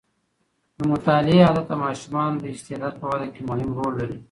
د مطالعې عادت د ماشومانو د استعداد په وده کې مهم رول لري.